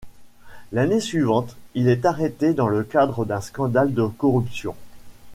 L'année suivante, il est arrêté dans le cadre d'un scandale de corruption.